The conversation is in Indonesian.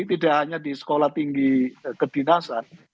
tidak hanya di sekolah tinggi kedinasan